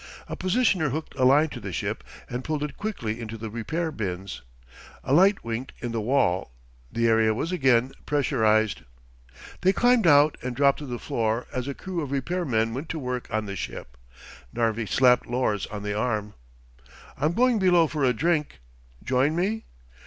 A positioner hooked a line to the ship and pulled it quickly into the repair bins. A light winked in the wall. The area was again pressurized. They climbed out and dropped to the floor as a crew of repair men went to work on the ship. Narvi slapped Lors on the arm. "I'm going below for a drink. Join Me?"